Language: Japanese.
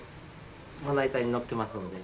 まな板にのっけますので。